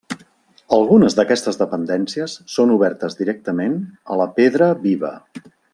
Algunes d'aquestes dependències són obertes directament a la pedra viva.